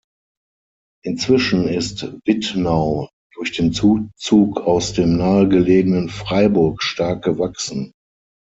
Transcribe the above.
Inzwischen ist Wittnau durch den Zuzug aus dem nahegelegenen Freiburg stark gewachsen.